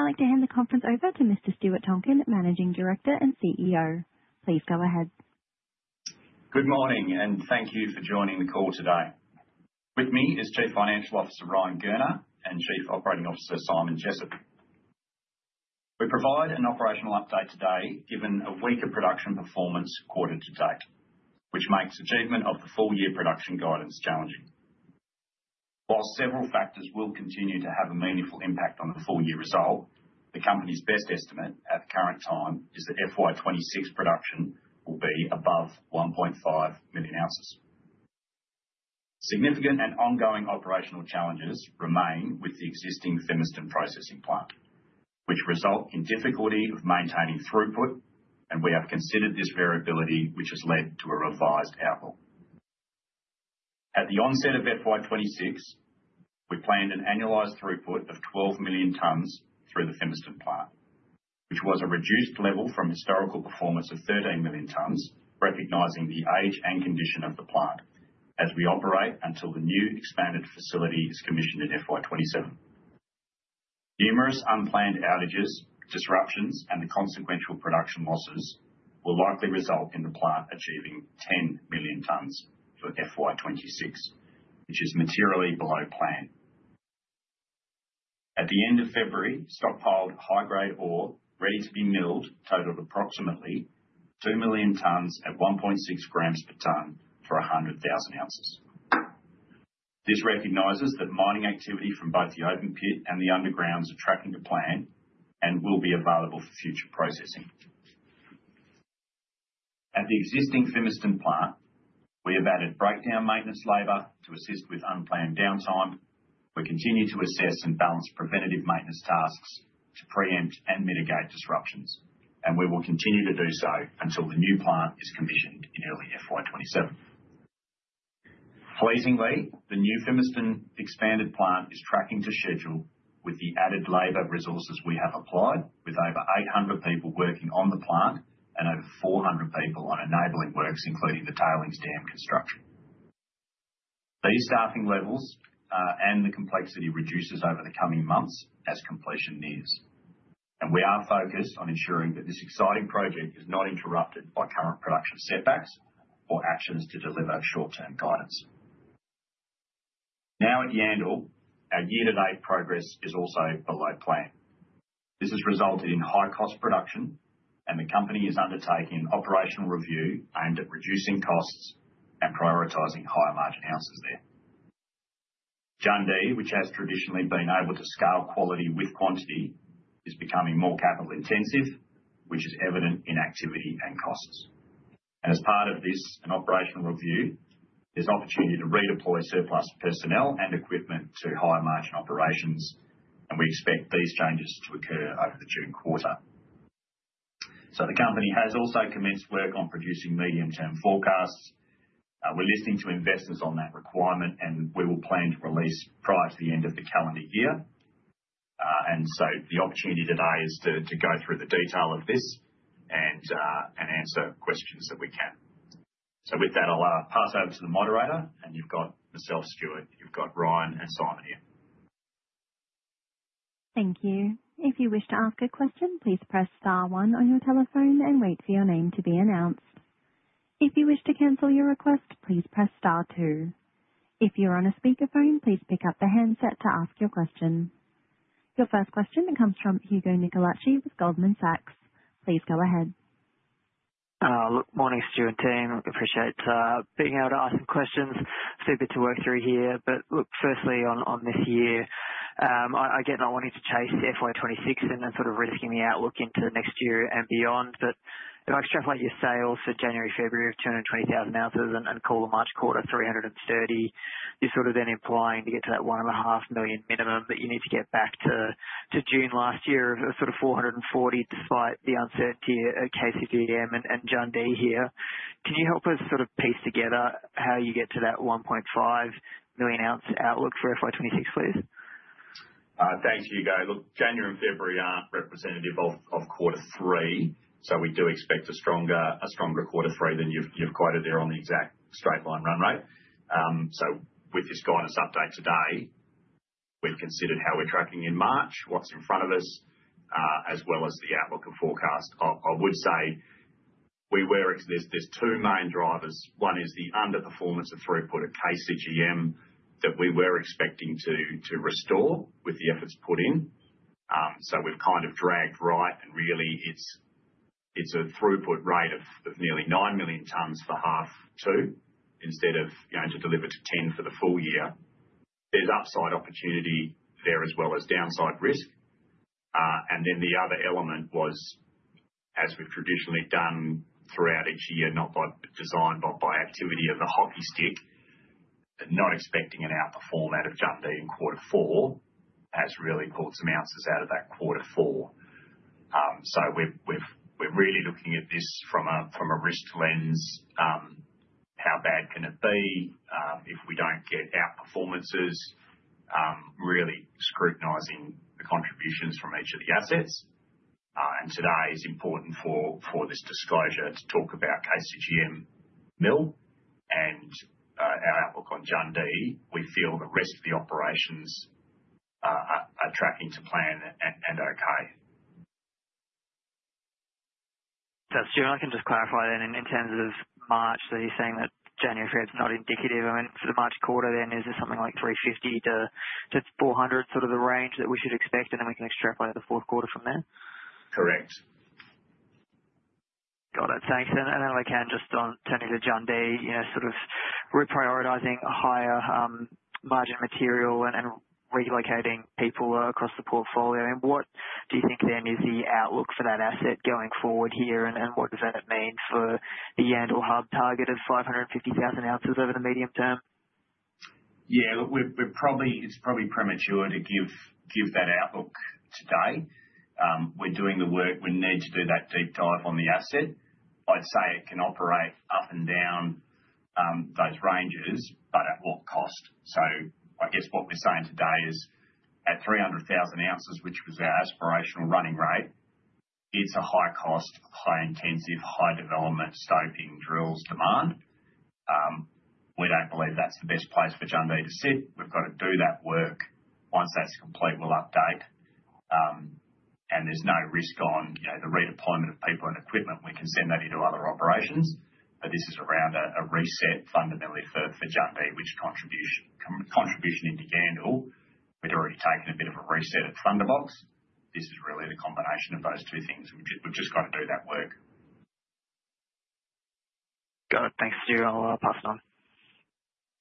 I'd like to hand the conference over to Mr. Stuart Tonkin, Managing Director and CEO. Please go ahead. Good morning, and thank you for joining the call today. With me is Chief Financial Officer, Ryan Gurner, and Chief Operating Officer, Simon Jessop. We provide an operational update today, given a weaker production performance quarter-to-date, which makes achievement of the full year production guidance challenging. While several factors will continue to have a meaningful impact on the full-year result, the company's best estimate at the current time is that FY 2026 production will be above 1.5 million oz. Significant and ongoing operational challenges remain with the existing Fimiston processing plant, which result in difficulty of maintaining throughput, and we have considered this variability, which has led to a revised outlook. At the onset of FY 2026, we planned an annualized throughput of 12 million tons through the Fimiston plant, which was a reduced level from historical performance of 13 million tons, recognizing the age and condition of the plant as we operate until the new expanded facility is commissioned in FY 2027. Numerous unplanned outages, disruptions, and the consequential production losses will likely result in the plant achieving 10 million tons for FY 2026, which is materially below plan. At the end of February, stockpiled high-grade ore ready to be milled totaled approximately 2 million tons at 1.6 g per ton for 100,000 oz. This recognizes that mining activity from both the open pit and the undergrounds are tracking to plan and will be available for future processing. At the existing Fimiston plant, we have added breakdown maintenance labor to assist with unplanned downtime. We continue to assess and balance preventative maintenance tasks to preempt and mitigate disruptions, and we will continue to do so until the new plant is commissioned in early FY 2027. Pleasingly, the new Fimiston expanded plant is tracking to schedule with the added labor resources we have applied with over 800 people working on the plant and over 400 people on enabling works, including the tailings dam construction. These staffing levels, and the complexity reduces over the coming months as completion nears. We are focused on ensuring that this exciting project is not interrupted by current production setbacks or actions to deliver short-term guidance. Now, at Yandal, our year-to-date progress is also below plan. This has resulted in high-cost production, and the company is undertaking an operational review aimed at reducing costs and prioritizing higher-margin ounces there. Jundee, which has traditionally been able to scale quality with quantity, is becoming more capital intensive, which is evident in activity and costs. As part of this, an operational review, there's opportunity to redeploy surplus personnel and equipment to higher margin operations, and we expect these changes to occur over the June quarter. The company has also commenced work on producing medium-term forecasts. We're listening to investors on that requirement, and we will plan to release prior to the end of the calendar year. The opportunity today is to go through the detail of this and answer questions that we can. With that, I'll pass over to the moderator, and you've got myself, Stuart, you've got Ryan and Simon here. Thank you. If you wish to ask a question, please press star one on your telephone and wait for your name to be announced. If you wish to cancel your request, please press star two. If you're on a speakerphone, please pick up the handset to ask your question. Your first question comes from Hugo Nicolaci with Goldman Sachs. Please go ahead. Look, morning Stuart and team. Appreciate being able to ask some questions. Few bits to work through here. Look, firstly on this year, I get not wanting to chase FY 2026 and then sort of risking the outlook into next year and beyond. If I extrapolate your sales for January, February of 220,000 oz and call the March quarter 330, you're sort of then implying to get to that 1.5 million minimum that you need to get back to June last year of sort of 440, despite the uncertainty at KCGM and Jundee here. Can you help us sort of piece together how you get to that 1.5 million oz outlook for FY 2026, please? Thanks, Hugo. Look, January and February aren't representative of quarter three. We do expect a stronger quarter three than you've quoted there on the exact straight line run rate. With this guidance update today, we've considered how we're tracking in March, what's in front of us, as well as the outlook and forecast. There are two main drivers. One is the underperformance of throughput at KCGM that we were expecting to restore with the efforts put in. We've kind of dragged right, and really it's a throughput rate of nearly 9 million tons for half two instead of going to deliver to 10 for the full year. There's upside opportunity there as well as downside risk. The other element was, as we've traditionally done throughout each year, not by design, but by activity of the hockey stick, not expecting an outperformance out of Jundee in quarter four has really pulled some ounces out of that quarter four. We're really looking at this from a risk lens. How bad can it be, if we don't get out performances? Really scrutinizing the contributions from each of the assets. Today is important for this disclosure to talk about KCGM mill and our outlook on Jundee. We feel the rest of the operations are tracking to plan and are okay. Stuart, I can just clarify then in terms of March that you're saying that January, February is not indicative. I mean, for the March quarter, then, is it something like 350-400, sort of the range that we should expect, and then we can extrapolate the fourth quarter from there? Correct. Got it. Thanks. If I can, just on turning to Jundee. You know, sort of reprioritizing a higher margin material and relocating people across the portfolio. I mean, what do you think then is the outlook for that asset going forward here? What does that mean for the Yandal Hub target of 550,000 oz over the medium term? We're probably—it's probably premature to give that outlook today. We're doing the work. We need to do that deep dive on the asset. I'd say it can operate up and down those ranges, but at what cost? I guess what we're saying today is at 300,000 oz, which was our aspirational running rate, it's a high cost, high intensity, high development, stoping, drill demand. We don't believe that's the best place for Jundee to sit. We've got to do that work. Once that's complete, we'll update. There's no risk on you know the redeployment of people and equipment. We can send that into other operations. This is around a reset fundamentally for Jundee, which contribution into Yandal. We'd already taken a bit of a reset at Thunderbox. This is really the combination of those two things. We've just got to do that work. Got it. Thanks, Stuart. I'll pass it on.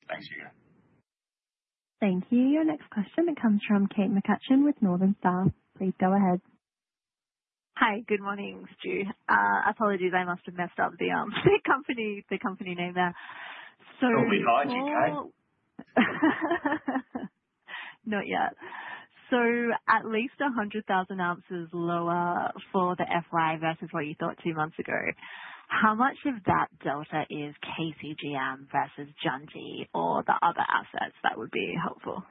Thanks, Hugo. Thank you. Your next question comes from Kate McCutcheon with Bank of America. Please go ahead. Hi. Good morning, Stu. Apologies, I must have messed up the company name there. No worries, Kate. Not yet. At least 100,000 oz lower for the FY versus what you thought two months ago. How much of that delta is KCGM versus Jundee or the other assets? That would be helpful.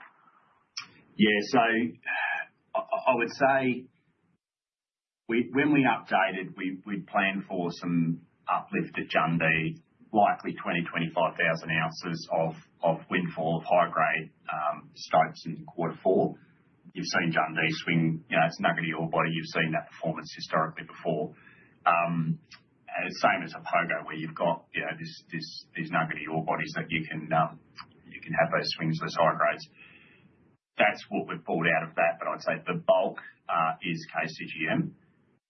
Yeah. I would say we when we updated, we planned for some uplift at Jundee, likely 20,000 oz-25,000 oz of windfall of high-grade stops in quarter four. You've seen Jundee swing. You know, it's nuggety ore body. You've seen that performance historically before. And same as a Pogo where you've got, you know, these nuggety ore bodies that you can you can have those swings, those high grades. That's what we've pulled out of that. I'd say the bulk is KCGM.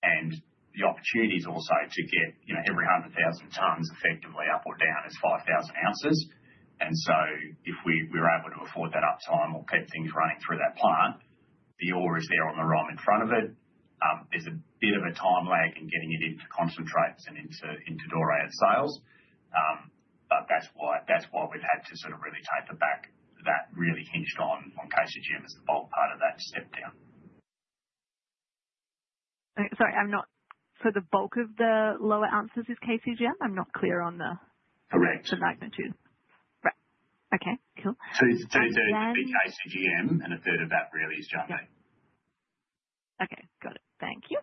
The opportunity is also to get, you know, every 100,000 tons effectively up or down is 5,000 oz. If we're able to afford that uptime or keep things running through that plant, the ore is there on the ROM in front of it. There's a bit of a time lag in getting it into concentrates and into doré sales. That's why we've had to sort of really taper back. That really hinged on KCGM as the bulk part of that step down. The bulk of the lower ounces is KCGM? Correct. The magnitude. Right. Okay, cool. 2/3 would be KCGM and a third of that really is Jundee. Yeah. Okay. Got it. Thank you.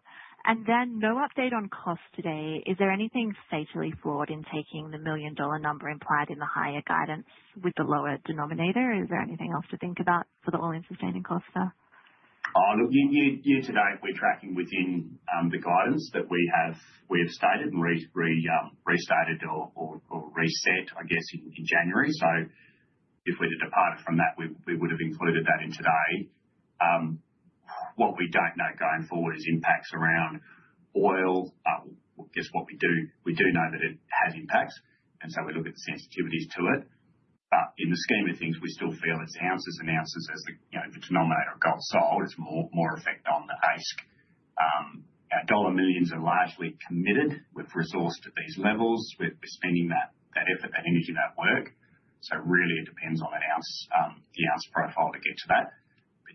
No update on cost today. Is there anything fatally flawed in taking the million-dollar number implied in the higher guidance with the lower denominator? Is there anything else to think about for the all-in sustaining cost there? Oh, look, year-to-date, we're tracking within the guidance that we have stated and restated or reset, I guess, in January. If we're to depart from that, we would have included that in today. What we don't know going forward is impacts around oil. Well, guess what we do know that it has impacts and so we look at sensitivities to it. In the scheme of things, we still feel it's ounces as the, you know, the denominator of gold sold. It's more effect on the AISC. Our dollar millions are largely committed with resources to these levels. We're spending that effort, that energy, that work. Really it depends on the ounce profile to get to that.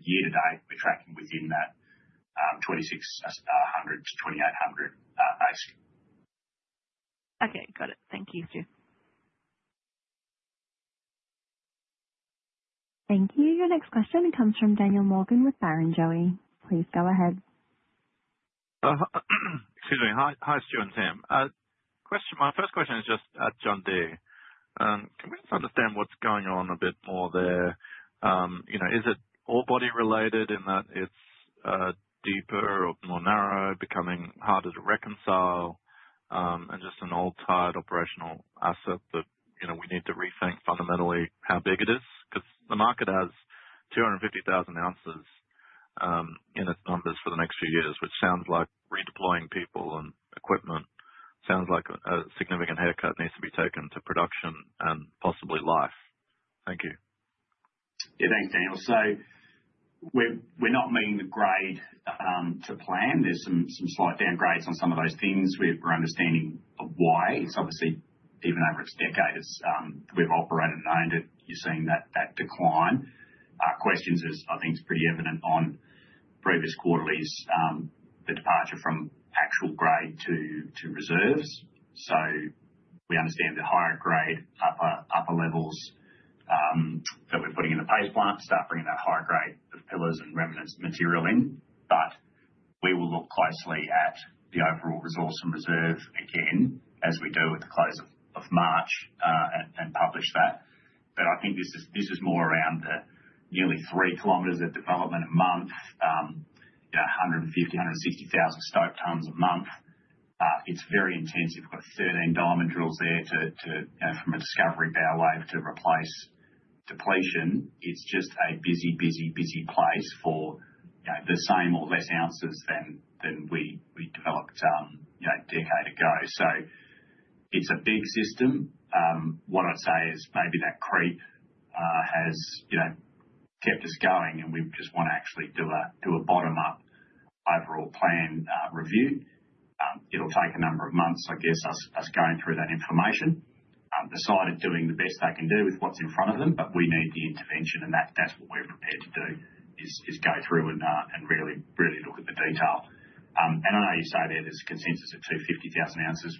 Year-to-date, we're tracking within that 2,600-2,800 AISC. Okay, got it. Thank you, Stu. Thank you. Your next question comes from Daniel Morgan with Barrenjoey. Please go ahead. Excuse me. Hi, Stu and team. Question, my first question is just, Jundee. Can we just understand what's going on a bit more there? You know, is it ore body related in that it's deeper or more narrow, becoming harder to reconcile, and just an old, tired operational asset that, you know, we need to rethink fundamentally how big it is? 'Cause the market has 250,000 oz in its numbers for the next few years, which sounds like redeploying people and equipment. Sounds like a significant haircut needs to be taken to production and possibly life. Thank you. Yeah, thanks, Daniel. We're not meeting the grade to plan. There's some slight downgrades on some of those things. We're understanding of why. It's obviously, even over its decades, we've operated and owned it. You've seen that decline. Question is, I think it's pretty evident on previous quarterlies, the departure from grade to reserves. We understand the higher grade upper levels that we're putting in the base plant start bringing that higher grade of pillars and remnants material in. We will look closely at the overall resource and reserve again, as we do at the close of March, and publish that. This is more around the nearly 3 km of development a month, you know, 150,000-160,000 stope tons a month. It's very intensive. Got 13 diamond drills there to, you know, from a discovery-powered way to replace depletion. It's just a busy place for, you know, the same or less ounces than we developed a decade ago. It's a big system. What I'd say is maybe that creep has, you know, kept us going, and we just wanna actually do a bottom-up overall plan review. It'll take a number of months, I guess, us going through that information. The site are doing the best they can do with what's in front of them, but we need the intervention, and that's what we're prepared to do is go through and really look at the detail. I know you say that there's a consensus of 250,000 oz.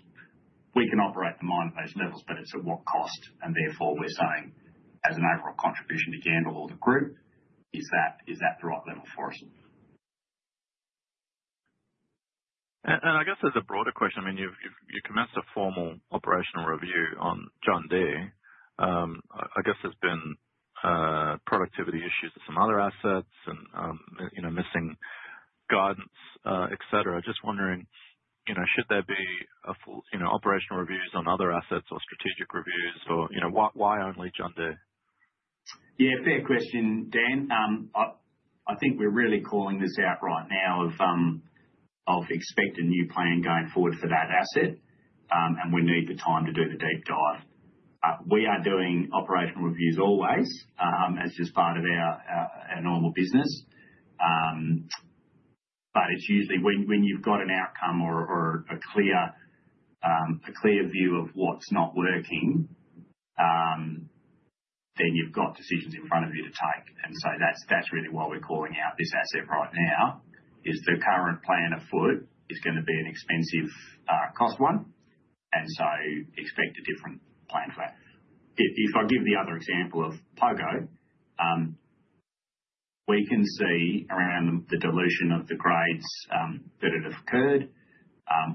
We can operate the mine at those levels, but it's at what cost? Therefore, we're saying as an overall contribution to Yandal or the group, is that the right level for us? I guess as a broader question, I mean, you commenced a formal operational review on Jundee. I guess there's been productivity issues with some other assets and, you know, missing guidance, et cetera. Just wondering, you know, should there be a full, you know, operational reviews on other assets or strategic reviews or, you know, why only Jundee? Yeah, fair question, Dan. I think we're really calling this out right now of expected new plan going forward for that asset. We need the time to do the deep dive. We are doing operational reviews always as just part of our normal business. It's usually when you've got an outcome or a clear view of what's not working, then you've got decisions in front of you to take. That's really why we're calling out this asset right now. The current plan afoot is gonna be an expensive cost one, and expect a different plan for that. If I give the other example of Pogo, we can see around the dilution of the grades that have occurred.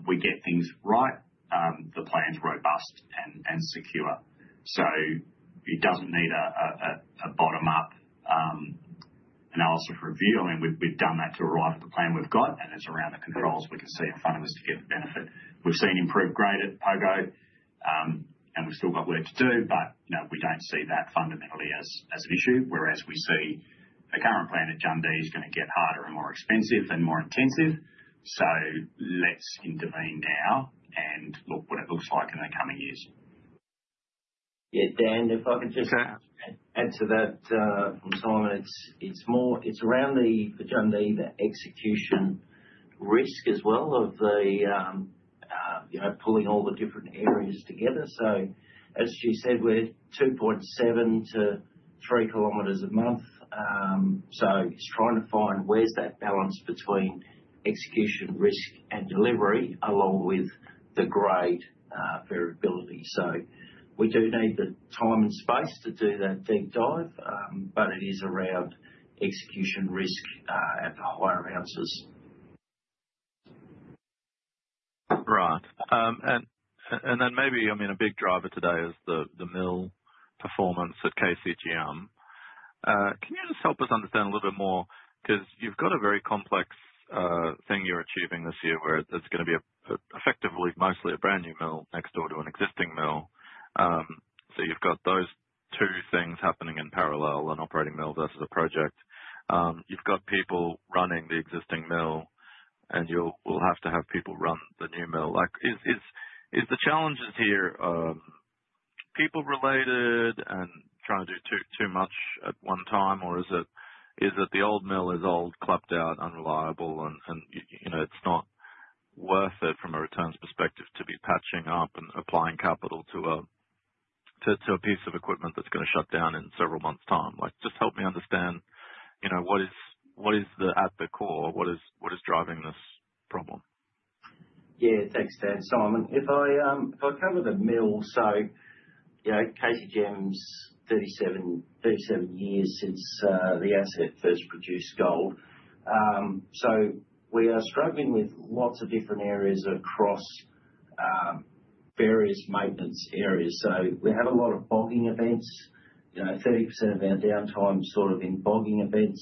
We get things right, the plan's robust and secure. It doesn't need a bottom-up analysis review. I mean, we've done that to arrive at the plan we've got, and it's around the controls we can see in front of us to get the benefit. We've seen improved grade at Pogo, and we've still got work to do, but you know, we don't see that fundamentally as an issue, whereas we see the current plan at Jundee is gonna get harder and more expensive and more intensive. Let's intervene now and look what it looks like in the coming years. Yeah, Dan, if I could just. Okay. Add to that, it's from Simon. It's more around the Jundee, the execution risk as well of the, you know, pulling all the different areas together. As Stuart said, we're 2.7 km-3 km a month. It's trying to find where's that balance between execution risk and delivery, along with the grade variability. We do need the time and space to do that deep dive, but it is around execution risk at the higher ounces. Right. Maybe, I mean, a big driver today is the mill performance at KCGM. Can you just help us understand a little bit more? 'Cause you've got a very complex thing you're achieving this year, where it's gonna be effectively, mostly a brand new mill next door to an existing mill. You've got those two things happening in parallel, an operating mill versus a project. You've got people running the existing mill, and you'll have to have people run the new mill. Like, is the challenges here people related and trying to do too much at one time? Is it the old mill is old, clapped out, unreliable and you know, it's not worth it from a returns perspective to be patching up and applying capital to a piece of equipment that's gonna shut down in several months' time? Like, just help me understand, you know, what is at the core, what is driving this problem? Yeah. Thanks, Dan. It's Simon, if I cover the mill, you know, KCGM's 37 years since the asset first produced gold. We are struggling with lots of different areas across various maintenance areas. We have a lot of bogging events. You know, 30% of our downtime's sort of in bogging events,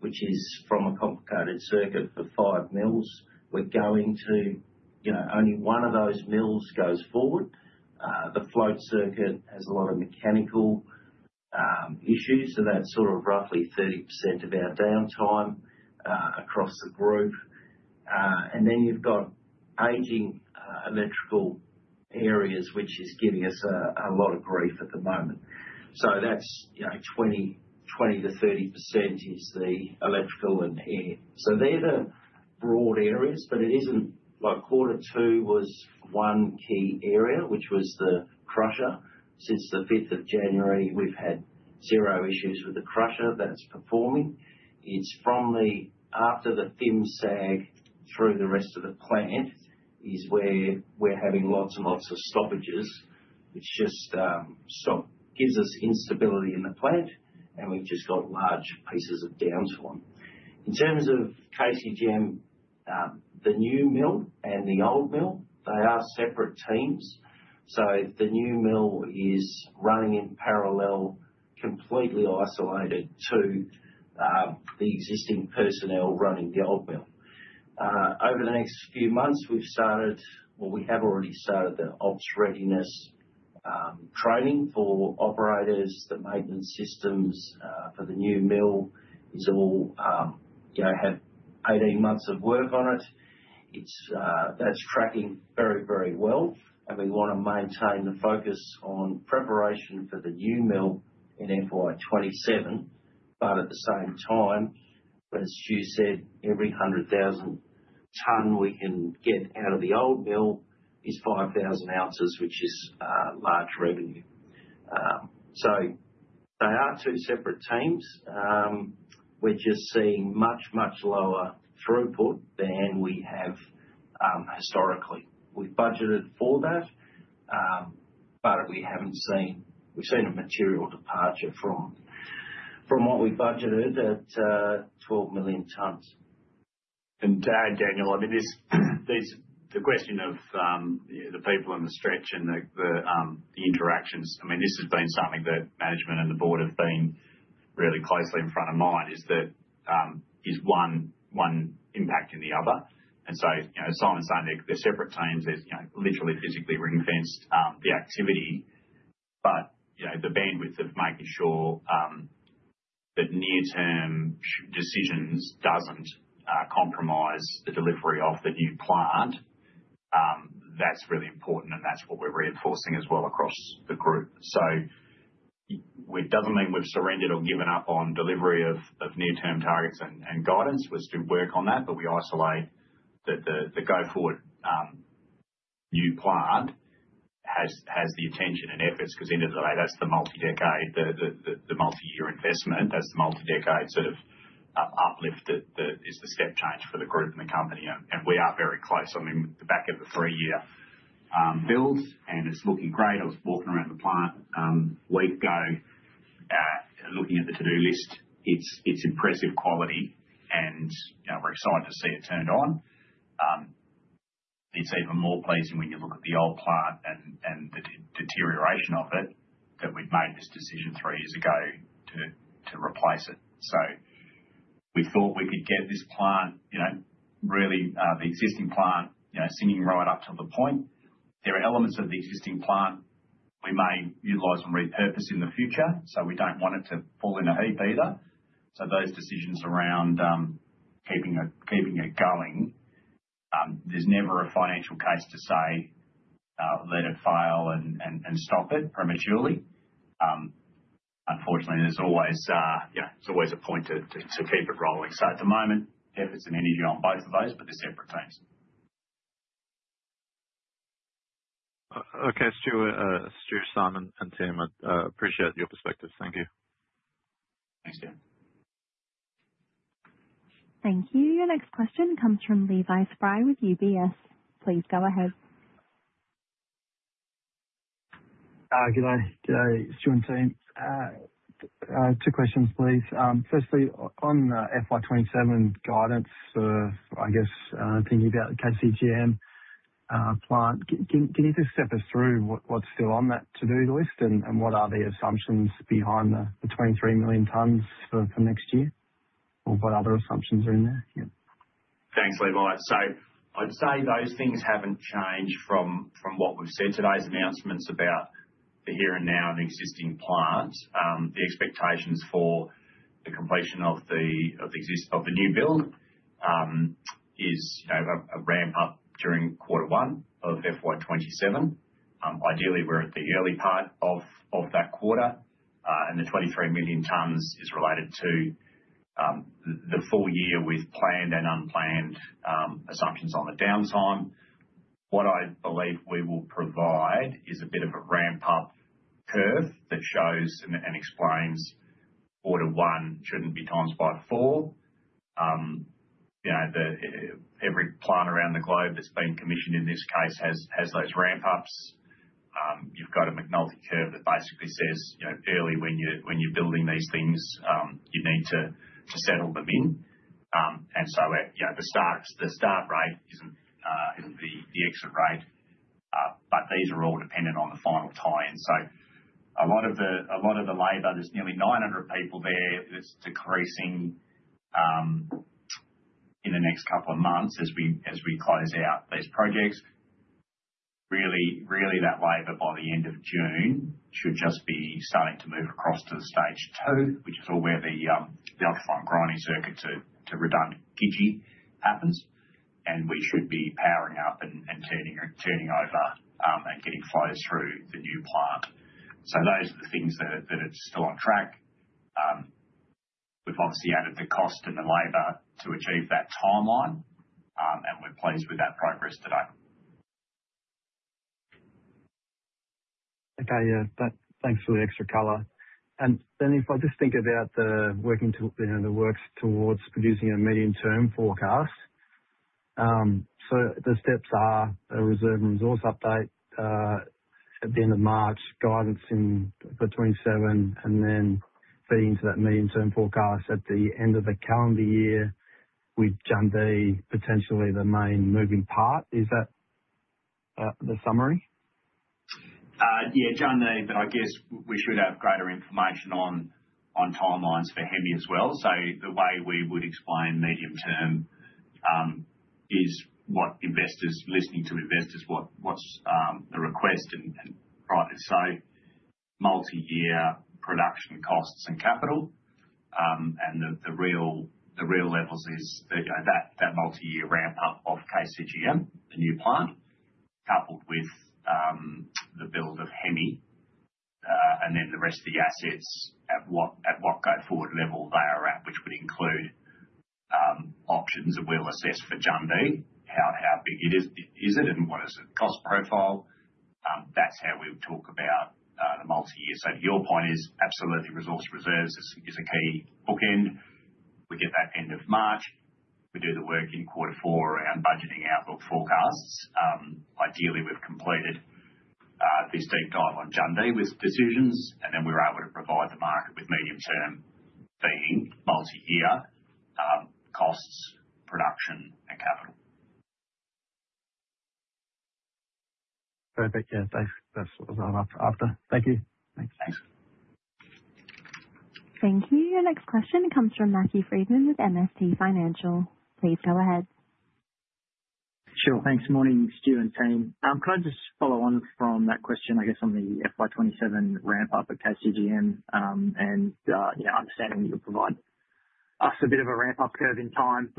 which is from a complicated circuit for five mills. You know, only one of those mills goes forward. The flotation circuit has a lot of mechanical issues, so that's sort of roughly 30% of our downtime across the group. You've got aging electrical areas, which is giving us a lot of grief at the moment. That's, you know, 20%-30% is the electrical and air. They're the broad areas, but it isn't. Like, quarter two was one key area, which was the crusher. Since the 5th of January, we've had zero issues with the crusher. That's performing. It's after the new SAG through the rest of the plant is where we're having lots and lots of stoppages. It's just sort of gives us instability in the plant, and we've just got large pieces of downtime. In terms of KCGM, the new mill and the old mill, they are separate teams. The new mill is running in parallel, completely isolated to the existing personnel running the old mill. Over the next few months, we have already started the ops readiness training for operators. The maintenance systems for the new mill is all, you know, have 18 months of work on it. It's tracking very, very well and we wanna maintain the focus on preparation for the new mill in FY 2027. At the same time, as Stu said, every 100,000 tons we can get out of the old mill is 5,000 oz, which is large revenue. They are two separate teams. We're just seeing much, much lower throughput than we have historically. We budgeted for that, but we've seen a material departure from what we budgeted at 12 million tons. Daniel, I mean, this, the question of the people on the stretch and the interactions. I mean, this has been something that management and the board have been really closely in front of mind, is that one impacting the other. You know, Simon's saying they're separate teams. There's, you know, literally physically ring-fenced the activity. You know, the bandwidth of making sure that near-term short-term decisions doesn't compromise the delivery of the new plant, that's really important and that's what we're reinforcing as well across the group. It doesn't mean we've surrendered or given up on delivery of near-term targets and guidance. We still work on that, but we isolate the go forward new plant has the attention and efforts, 'cause end of the day, that's the multi-decade multi-year investment. That's the multi-decade sort of uplift that is the step change for the group and the company. We are very close. I mean, the back end of the three-year builds and it's looking great. I was walking around the plant week ago, looking at the to-do list. It's impressive quality and, you know, we're excited to see it turned on. It's even more pleasing when you look at the old plant and the deterioration of it, that we've made this decision three years ago to replace it. We thought we could get this plant, you know, really, the existing plant, you know, singing right up till the point. There are elements of the existing plant we may utilize and repurpose in the future, so we don't want it to fall in a heap either. Those decisions around keeping it going, there's never a financial case to say let it fail and stop it prematurely. Unfortunately there's always, you know, there's always a point to keep it rolling. At the moment, efforts and energy on both of those, but they're separate teams. Okay. Stu, Simon and team, I appreciate your perspectives. Thank you. Thanks, Dan. Thank you. Your next question comes from Levi Spry with UBS. Please go ahead. G'day. G'day, Stu and team. Two questions please. Firstly, on FY 2027 guidance, I guess, thinking about the KCGM plant, can you just step us through what's still on that to-do list and what are the assumptions behind the 23 million tons for next year? Or what other assumptions are in there? Yeah. Thanks, Levi. I'd say those things haven't changed from what we've said. Today's announcements about the here and now of the existing plant. The expectations for the completion of the new build is you know a ramp up during quarter one of FY 2027. Ideally we're at the early part of that quarter. The 23 million tons is related to the full year with planned and unplanned assumptions on the downtime. What I believe we will provide is a bit of a ramp-up curve that shows and explains quarter one shouldn't be times by four. You know, every plant around the globe that's been commissioned in this case has those ramp ups. You've got a McNulty Curve that basically says, you know, early when you're building these things, you need to settle them in. At, you know, the start rate isn't the exit rate, but these are all dependent on the final tie-in. A lot of the labor, there's nearly 900 people there that's decreasing in the next couple of months as we close out these projects. Really that labor by the end of June should just be starting to move across to the stage two, which is all where the ultra-fine grinding circuit to redundant jig happens. We should be powering up and turning over and getting flows through the new plant. Those are the things that are still on track. We've obviously added the cost and the labor to achieve that timeline, and we're pleased with that progress to date. Okay. Yeah. Thanks for the extra color. If I just think about, you know, the works towards producing a medium-term forecast. The steps are a reserve resource update at the end of March, guidance between seven and 10, and then feeding into that medium-term forecast at the end of the calendar year, with Jundee potentially the main moving part. Is that the summary? Yeah, Jundee, but I guess we should have greater information on timelines for Hemi as well. The way we would explain medium-term is what investors listening to investors, what's the request, and rightly so. Multi-year production costs and capital. The real levels is that multi-year ramp up of KCGM, the new plant, coupled with the build of Hemi, and then the rest of the assets at what go forward level they are at, which would include options that we'll assess for Jundee, how big it is it and what is its cost profile. That's how we would talk about the multi-year. Your point is absolutely resource reserves is a key bookend. We get that end of March, we do the work in quarter four around budgeting outlook forecasts. Ideally, we've completed this deep dive on Jundee with decisions, and then we're able to provide the market with medium-term being multi-year, costs, production and capital. Perfect. Yeah. Thanks. That's what I was after. Thank you. Thanks. Thanks. Thank you. Your next question comes from Matthew Frydman with MST Financial. Please go ahead. Sure. Thanks. Morning, Stuart and team. Can I just follow on from that question, I guess on the FY 2027 ramp up at KCGM, and you know, understanding that you'll provide us a bit of a ramp up curve in time.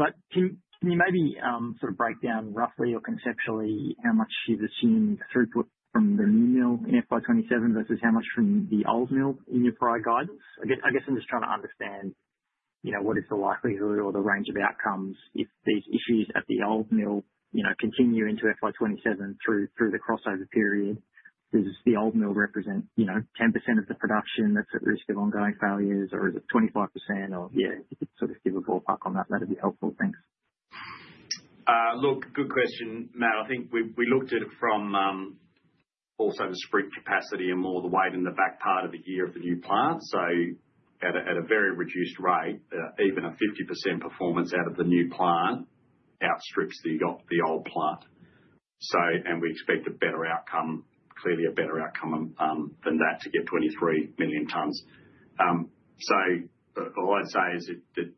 Can you maybe sort of break down roughly or conceptually how much you're assuming throughput from the new mill in FY 2027 versus how much from the old mill in your prior guidance? I guess I'm just trying to understand, you know, what is the likelihood or the range of outcomes if these issues at the old mill, you know, continue into FY 2027 through the crossover period. Does the old mill represent, you know, 10% of the production that's at risk of ongoing failures, or is it 25% or? Yeah, if you could sort of give a ballpark on that'd be helpful. Thanks. Look, good question, Matt. I think we looked at it from also the SAG capacity and more the weight in the back part of the year of the new plant. At a very reduced rate, even a 50% performance out of the new plant outstrips the old plant. We expect a better outcome, clearly a better outcome, than that to get 23 million tons. All I'd say is that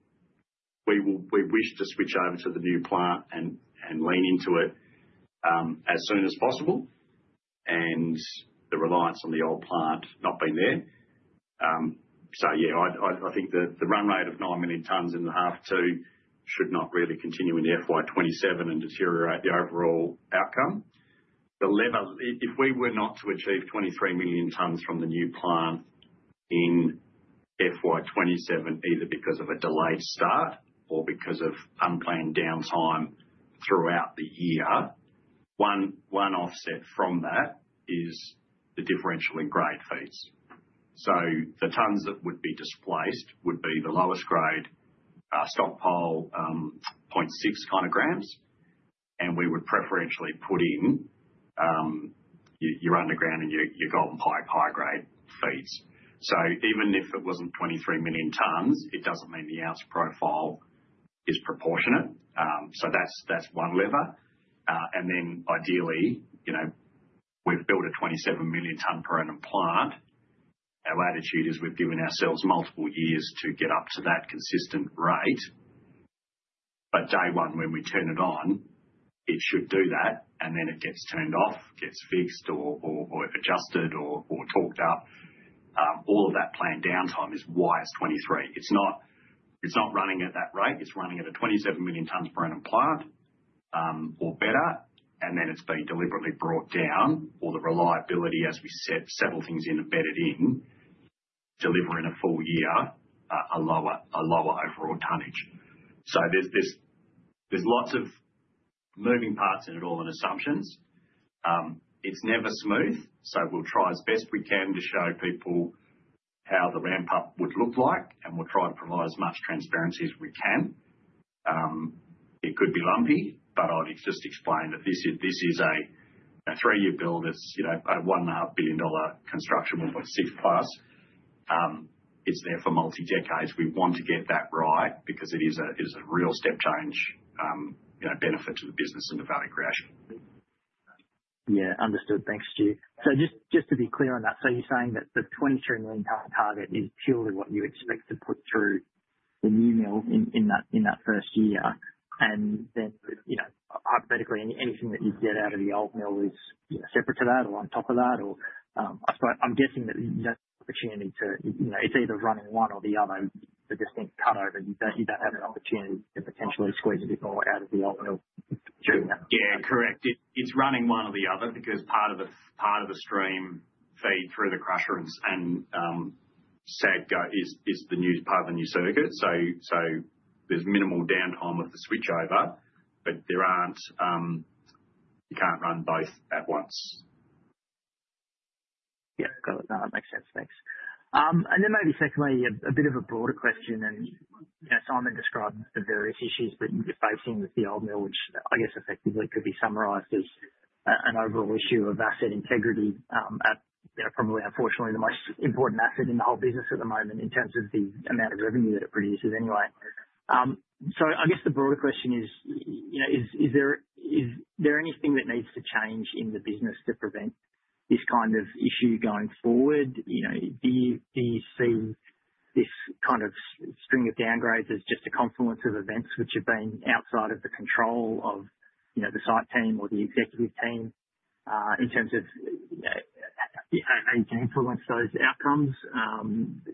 we wish to switch over to the new plant and lean into it as soon as possible, and the reliance on the old plant not being there. Yeah, I think the run rate of 9 million tons in H2 should not really continue into FY 2027 and deteriorate the overall outcome. If we were not to achieve 23 million tons from the new plant in FY 2027, either because of a delayed start or because of unplanned downtime throughout the year, one offset from that is the differential in grade feeds. So the tons that would be displaced would be the lowest grade stockpile 0.6 kind of grams, and we would preferentially put in your underground and your Golden Pike high grade feeds. So even if it wasn't 23 million tons, it doesn't mean the ounce profile is proportionate. So that's one lever. And then ideally, you know, we've built a 27 million ton per annum plant. Our attitude is we've given ourselves multiple years to get up to that consistent rate. Day one, when we turn it on, it should do that, and then it gets turned off, gets fixed or adjusted or talked up. All of that planned downtime is why it's 23 million. It's not running at that rate. It's running at a 27 million tons per annum plant, or better, and then it's been deliberately brought down or the reliability as we set several things in, embedded in delivery in a full year, a lower overall tonnage. There's lots of moving parts in it all and assumptions. It's never smooth. We'll try as best we can to show people how the ramp up would look like, and we'll try to provide as much transparency as we can. It could be lumpy, but I'll just explain that this is a three-year build that's, you know, a 1.5 billion dollar construction, 1.6+ billion. It's there for multiple decades. We want to get that right because it is a real step change, you know, benefit to the business and the value creation. Yeah. Understood. Thanks, Stu. Just to be clear on that, you're saying that the 23 million tonne target is purely what you expect to put through the new mill in that first year. You know, hypothetically, anything that you get out of the old mill is separate to that or on top of that or? I suppose I'm guessing that you don't have the opportunity to, you know, it's either running one or the other, the distinct cut over. You don't have an opportunity to potentially squeeze a bit more out of the old mill. Yeah. Correct. It's running one or the other because part of the stream feed through the crusher and SAG is the new part of the new circuit. There's minimal downtime with the switchover, but there aren't. You can't run both at once. Yeah, got it. No, that makes sense. Thanks. Maybe secondly, a bit of a broader question. You know, Simon described the various issues that you're facing with the old mill, which I guess effectively could be summarized as an overall issue of asset integrity at, you know, probably unfortunately the most important asset in the whole business at the moment in terms of the amount of revenue that it produces anyway. I guess the broader question is, you know, is there anything that needs to change in the business to prevent this kind of issue going forward? You know, do you see this kind of string of downgrades as just a confluence of events which have been outside of the control of, you know, the site team or the executive team, in terms of, you know, an influence those outcomes,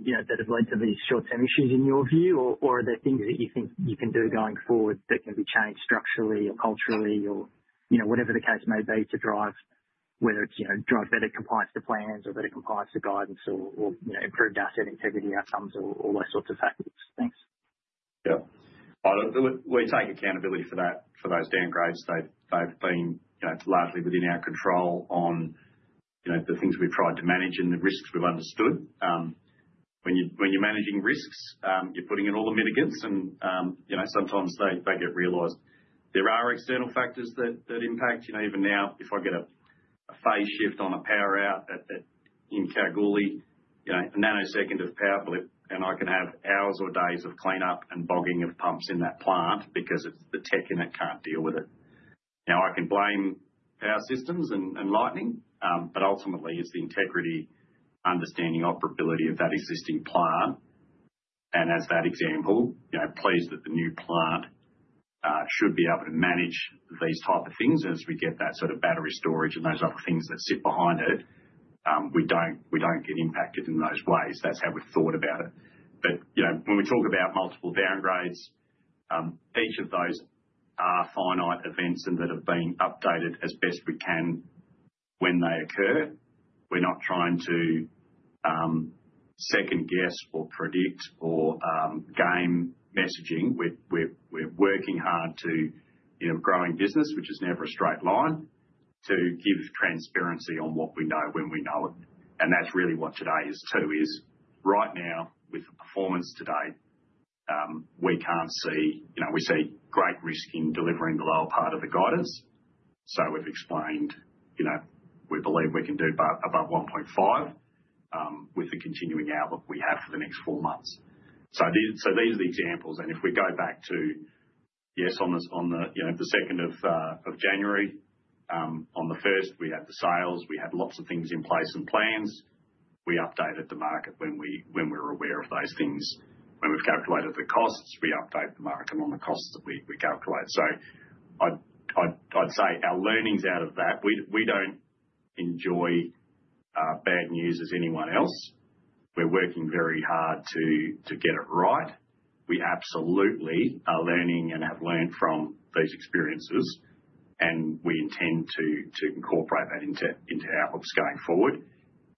you know, that have led to these short-term issues in your view? Or are there things that you think you can do going forward that can be changed structurally or culturally or, you know, whatever the case may be to drive, whether it's, you know, drive better compliance to plans or better compliance to guidance or, you know, improved asset integrity outcomes or those sorts of factors? Thanks. Yeah. Well, we take accountability for that, for those downgrades. They've been, you know, largely within our control on, you know, the things we've tried to manage and the risks we've understood. When you're managing risks, you're putting in all the mitigants and, you know, sometimes they get realized. There are external factors that impact, you know, even now, if I get a phase shift on a power outage in Kalgoorlie, you know, a nanosecond of power blip, and I can have hours or days of cleanup and bogging of pumps in that plant because the tech in it can't deal with it. Now, I can blame power systems and lightning, but ultimately it's the integrity, understanding operability of that existing plant. As that example, you know, pleased that the new plant should be able to manage these type of things as we get that sort of battery storage and those other things that sit behind it, we don't get impacted in those ways. That's how we've thought about it. You know, when we talk about multiple downgrades, each of those are finite events and that have been updated as best we can when they occur. We're not trying to second guess or predict or game messaging. We're working hard to, you know, growing business, which is never a straight line, to give transparency on what we know when we know it. That's really what today is too, is right now with the performance today, we can't see. You know, we see great risk in delivering the lower part of the guidance. We've explained, you know, we believe we can do about above 1.5 million oz with the continuing outlook we have for the next four months. These are the examples. If we go back to, yes, on this, on the, you know, the second of January, on the first we had the sales, we had lots of things in place and plans. We updated the market when we were aware of those things. When we've calculated the costs, we update the market on the costs that we calculate. I'd say our learnings out of that, we don't enjoy bad news as anyone else. We're working very hard to get it right. We absolutely are learning and have learned from these experiences, and we intend to incorporate that into our looks going forward.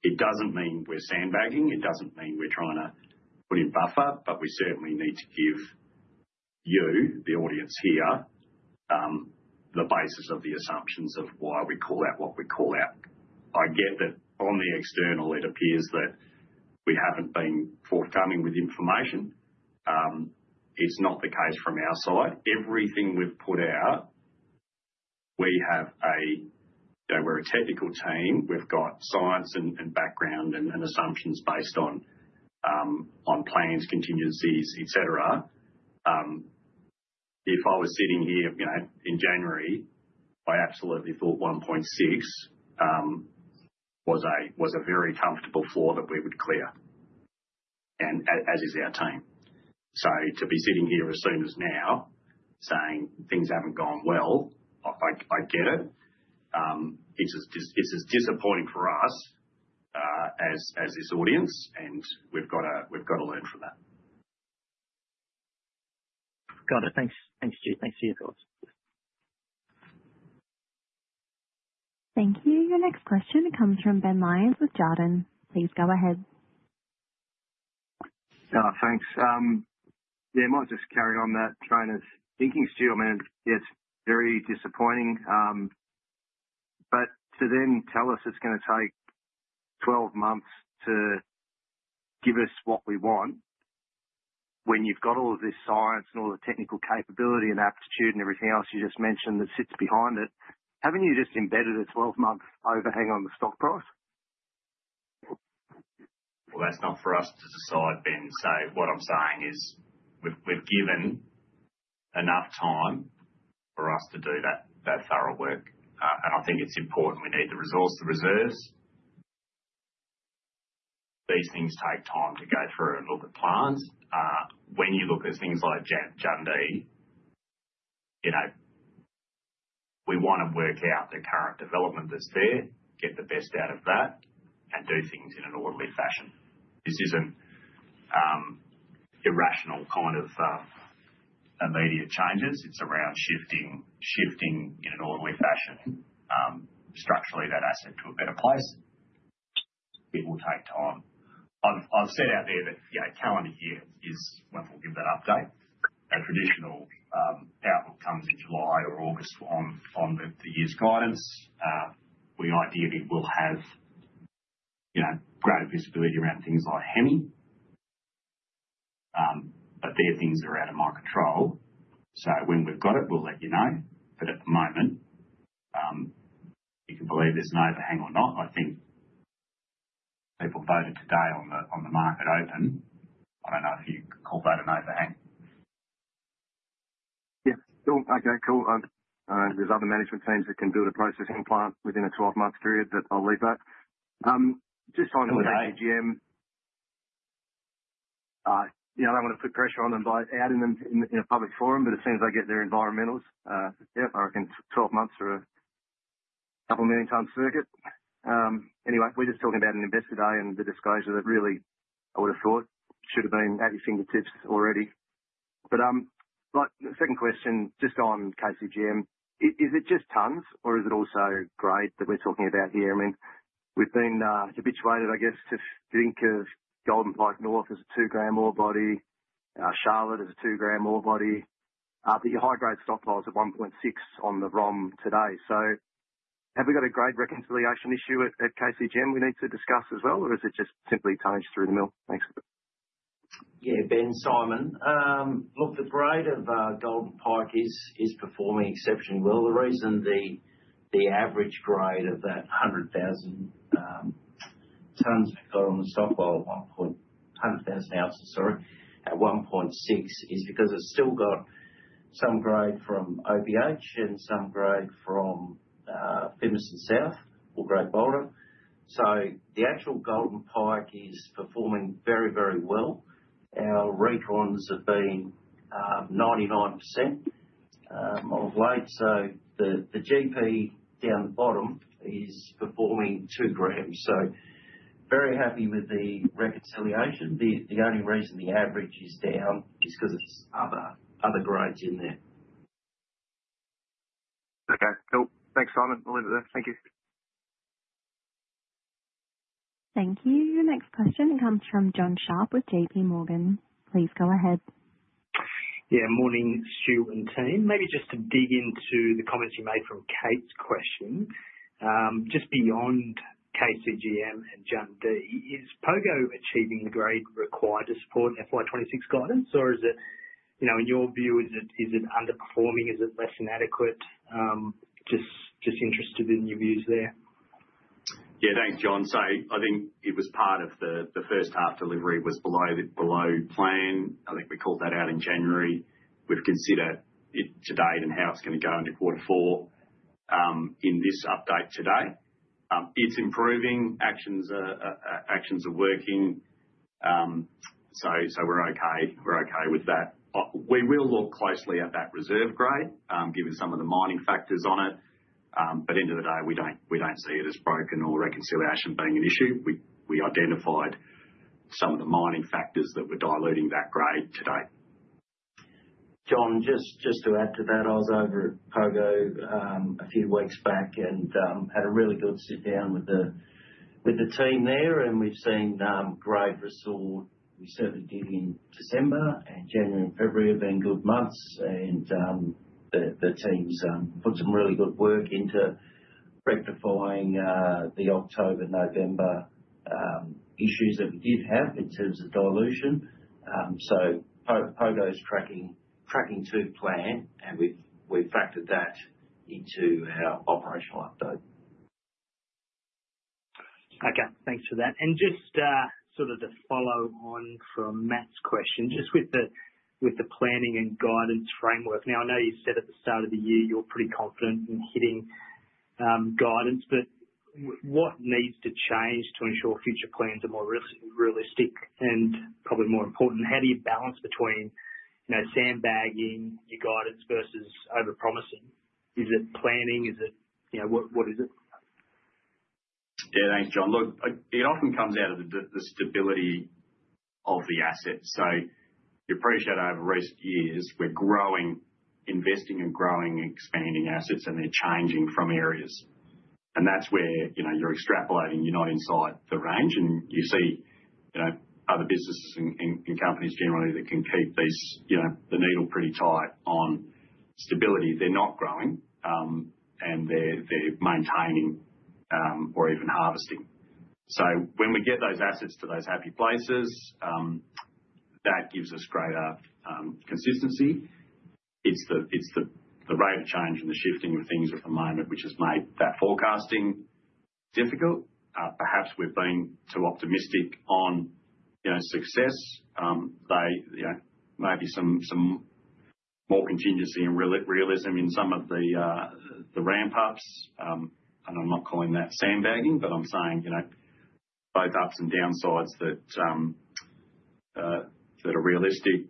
It doesn't mean we're sandbagging. It doesn't mean we're trying to put in buffer, but we certainly need to give you, the audience here, the basis of the assumptions of why we call out what we call out. I get that on the external, it appears that we haven't been forthcoming with information. It's not the case from our side. Everything we've put out, you know, we're a technical team. We've got science and background and assumptions based on plans, contingencies, et cetera. If I was sitting here, you know, in January, I absolutely thought 1.6 million oz was a very comfortable floor that we would clear and as is our team. To be sitting here right now saying things haven't gone well, I get it. It's as disappointing for us as this audience and we've gotta learn from that. Got it. Thanks. Thanks, Stu. Thanks for your thoughts. Thank you. Your next question comes from Ben Lyons with Jarden. Please go ahead. Thanks. Yeah, might just carry on that train of thinking, Stu. I mean, it's very disappointing, but to then tell us it's gonna take 12 months to give us what we want when you've got all of this science and all the technical capability and aptitude and everything else you just mentioned that sits behind it, haven't you just embedded a 12-month overhang on the stock price? Well, that's not for us to decide, Ben. What I'm saying is we've given enough time for us to do that thorough work. I think it's important we need the resource, the reserves. These things take time to go through and look at plans. When you look at things like Jundee, you know, we wanna work out the current development that's there, get the best out of that, and do things in an orderly fashion. This isn't irrational kind of immediate changes. It's around shifting in an orderly fashion structurally that asset to a better place. It will take time. I've said out there that, you know, calendar year is when we'll give that update. Our traditional outlook comes in July or August on the year's guidance. We ideally will have, you know, greater visibility around things like Hemi. They are things that are out of my control. When we've got it, we'll let you know. At the moment, if you believe there's no overhang or not, I think people voted today on the market open. I don't know if you could call that an overhang. Yeah. Cool. Okay, cool. There's other management teams that can build a processing plant within a 12-month period, but I'll leave that. Okay. KCGM. You know, I don't want to put pressure on them by adding them in a public forum, but as soon as they get their environmentals, yeah, I reckon 12 months or a couple million-ton circuit. Anyway, we're just talking about an investor day and the disclosure that really I would have thought should have been at your fingertips already. Like, the second question, just on KCGM. Is it just tonnes or is it also grade that we're talking about here? I mean, we've been habituated, I guess, to think of Golden Pike North as a 2 g ore body. Charlotte as a 2 g ore body. But your high-grade stockpile is at 1.6 g on the ROM today. So have we got a grade reconciliation issue at KCGM we need to discuss as well? Is it just simply tonnage through the mill? Thanks. Yeah, Ben, Simon. Look, the grade of Golden Pike is performing exceptionally well. The reason the average grade of that 100,000 tons we've got on the stockpile of one point. 100,000 oz, sorry, at 1.6 g, is because it's still got some grade from OBH and some grade from Fimiston South or Great Boulder. The actual Golden Pike is performing very well. Our reconciliations have been 99% of late. The GP down the bottom is performing 2 g, so very happy with the reconciliation. The only reason the average is down is because there's other grades in there. Okay, cool. Thanks, Simon. I'll leave it there. Thank you. Thank you. The next question comes from Jon Sharp with JPMorgan. Please go ahead. Yeah, morning, Stu and team. Maybe just to dig into the comments you made from Kate's question. Just beyond KCGM and Jundee, is Pogo achieving the grade required to support FY 2026 guidance or is it, you know, in your view, is it underperforming? Is it less than adequate? Just interested in your views there. Yeah. Thanks, Jon. I think it was part of the first half delivery was below plan. I think we called that out in January. We've considered it to date and how it's gonna go into quarter four in this update today. It's improving. Actions are working. We're okay. We're okay with that. We will look closely at that reserve grade given some of the mining factors on it. End of the day, we don't see it as broken or reconciliation being an issue. We identified some of the mining factors that were diluting that grade today. Jon, just to add to that, I was over at Pogo a few weeks back and had a really good sit down with the team there, and we've seen great result. We certainly did in December, and January and February have been good months. The team's put some really good work into rectifying the October, November issues that we did have in terms of dilution. Pogo's tracking to plan, and we've factored that into our operational update. Okay, thanks for that. Just sort of to follow on from Matt's question, just with the planning and guidance framework. Now, I know you said at the start of the year you're pretty confident in hitting guidance, but what needs to change to ensure future plans are more realistic? Probably more important, how do you balance between, you know, sandbagging your guidance versus overpromising? Is it planning? Is it, you know, what is it? Yeah. Thanks, Jon. Look, it often comes out of the stability of the asset. You appreciate over recent years we're growing, investing in growing and expanding assets and they're changing from areas. That's where, you know, you're extrapolating, you're not inside the range. You see, you know, other businesses and companies generally that can keep these, you know, the needle pretty tight on stability. They're not growing, and they're maintaining, or even harvesting. When we get those assets to those happy places, that gives us greater consistency. It's the rate of change and the shifting of things at the moment which has made that forecasting difficult. Perhaps we've been too optimistic on, you know, success. They, you know, maybe some more contingency and realism in some of the ramp-ups. I'm not calling that sandbagging, but I'm saying, you know, both ups and downsides that are realistic.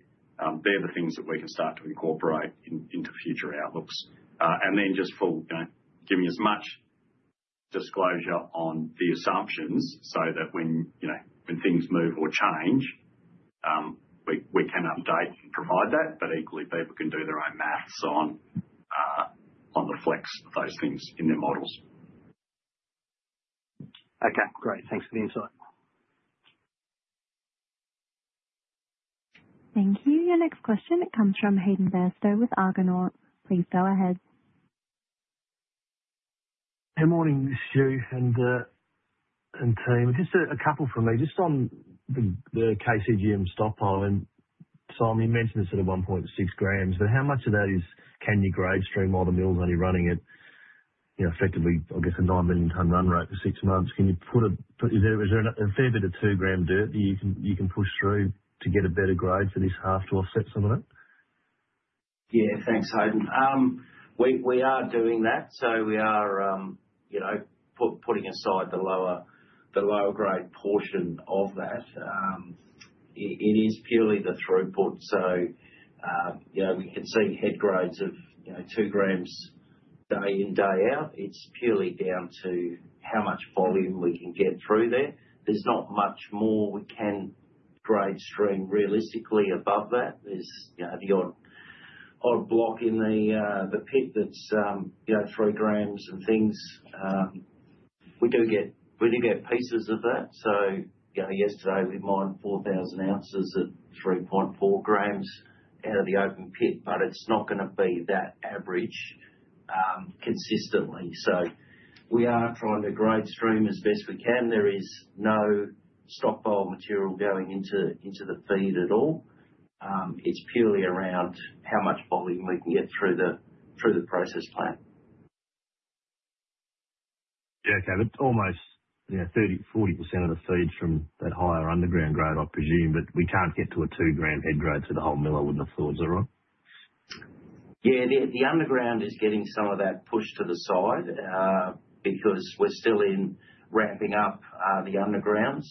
They're the things that we can start to incorporate into future outlooks. Just for, you know, giving as much disclosure on the assumptions so that when, you know, when things move or change, we can update and provide that. Equally, people can do their own math on It reflects those things in their models. Okay, great. Thanks for the insight. Thank you. Your next question comes from Hayden Bairstow with Argonaut. Please go ahead. Good morning, Stuart, and team. Just a couple from me. Just on the KCGM stockpile. Simon, you mentioned the sort of 1.6 g, but how much of that is can you grade stream while the mill's only running at, you know, effectively, I guess a 9 million ton run rate for six months? Is there a fair bit of 2 g dirt that you can push through to get a better grade for this half to offset some of it? Yeah. Thanks, Hayden. We are doing that. We are, you know, putting aside the lower grade portion of that. It is purely the throughput. Yeah, we can see head grades of, you know, 2 g day in, day out. It's purely down to how much volume we can get through there. There's not much more we can grade stream realistically above that. There's, you know, the odd block in the pit that's, you know, 3 g and things. We do get pieces of that. You know, yesterday we mined 4,000 oz at 3.4 g out of the open pit, but it's not gonna be that average consistently. We are trying to grade stream as best we can. There is no stockpile material going into the feed at all. It's purely around how much volume we can get through the process plant. Yeah. Okay. Almost, you know, 30%-40% of the feed's from that higher underground grade, I presume. We can't get to a 2 g head grade for the whole mill when the flows are on? Yeah. The underground is getting some of that push to the side because we're still ramping up the underground.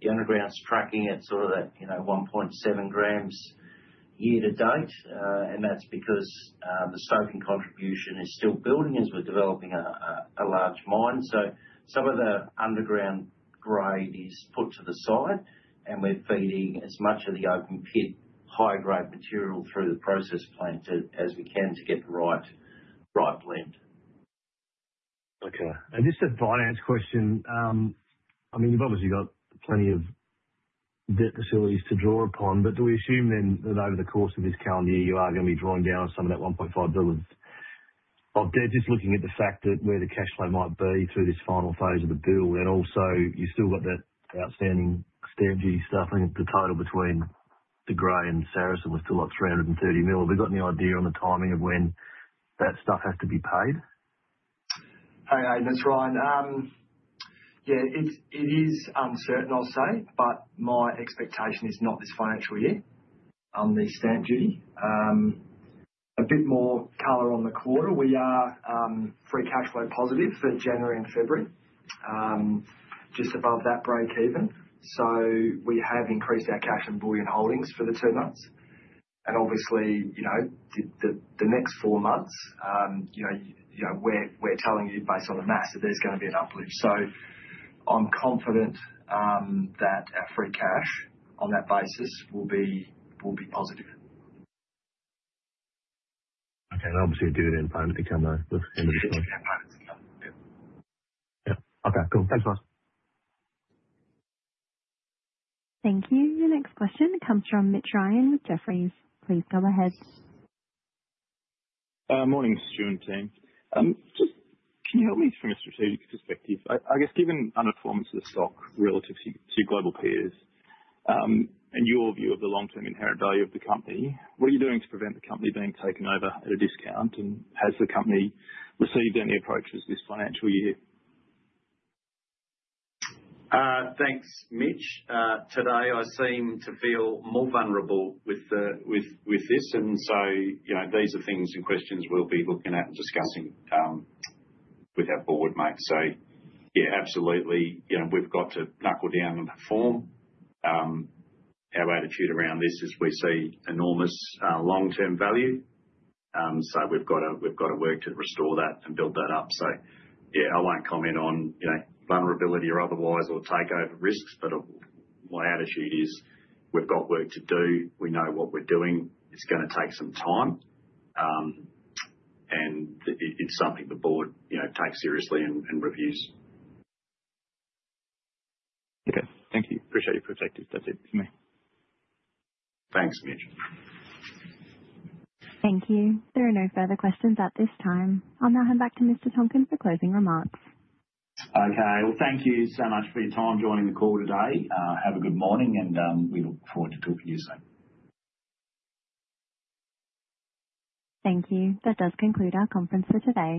The underground's tracking at sort of that, you know, 1.7 g year-to-date. And that's because the stoping contribution is still building as we're developing a large mine. Some of the underground grade is put to the side, and we're feeding as much of the open pit high grade material through the process plant as we can to get the right blend. Okay. Just a finance question. I mean, you've obviously got plenty of debt facilities to draw upon, but do we assume then that over the course of this calendar year, you are gonna be drawing down on some of that 1.5 billion dollars of debt? Just looking at the fact that where the cash flow might be through this final phase of the build, and also you've still got that outstanding stamp duty stuff. I think the total between De Grey and Saracen was still like 330 million. Have we got any idea on the timing of when that stuff has to be paid? Hey, Hayden. It's Ryan. Yeah, it's uncertain, I'll say, but my expectation is not this financial year on the stamp duty. A bit more color on the quarter. We are free cash flow positive for January and February, just above that breakeven. We have increased our cash and bullion holdings for the two months. Obviously, you know, the next four months, you know, we're telling you based on the math that there's gonna be an uplift. I'm confident that our free cash on that basis will be positive. Okay. Obviously a dividend payment to come, with end of June. Dividend payment to come. Yeah. Yeah. Okay, cool. Thanks a lot. Thank you. The next question comes from Mitch Ryan with Jefferies. Please go ahead. Morning, Stu and team. Just, can you help me from a strategic perspective? I guess given underperformance of the stock relative to global peers, and your view of the long-term inherent value of the company, what are you doing to prevent the company being taken over at a discount? Has the company received any approaches this financial year? Thanks, Mitch. Today I seem to feel more vulnerable with this. You know, these are things and questions we'll be looking at and discussing with our board mates. Yeah, absolutely. You know, we've got to knuckle down and perform. Our attitude around this is we see enormous long-term value. So we've gotta work to restore that and build that up. Yeah, I won't comment on, you know, vulnerability or otherwise, or takeover risks, but my attitude is we've got work to do. We know what we're doing. It's gonna take some time, and it's something the board, you know, takes seriously and reviews. Okay. Thank you. Appreciate your perspective. That's it from me. Thanks, Mitch. Thank you. There are no further questions at this time. I'll now hand back to Mr. Tonkin for closing remarks. Okay. Well, thank you so much for your time joining the call today. Have a good morning and we look forward to talking to you soon. Thank you. That does conclude our conference for today.